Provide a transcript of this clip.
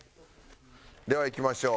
ではいきましょう。